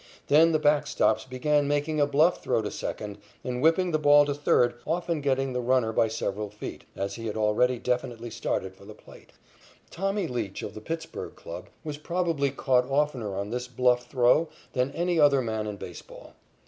Then the backstops began making a bluff throw to second and whipping the ball to third, often getting the runner by several feet, as he had already definitely started for the plate. "Tommy" Leach of the Pittsburg club was probably caught oftener on this bluff throw than any other man in baseball.